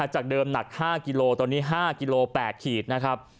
จากเดิมหนัก๕กิโลตอนนี้๕กิโล๘ขีดนะครับ